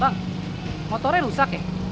bang motornya rusak ya